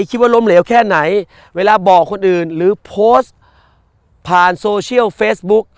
คิดว่าล้มเหลวแค่ไหนเวลาบอกคนอื่นหรือโพสต์ผ่านโซเชียลเฟซบุ๊ก